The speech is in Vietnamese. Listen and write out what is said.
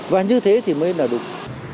và như thế thì mới là đúng